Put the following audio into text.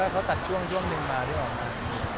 เค้าตัดช่วงนึงมาด้วยออกมา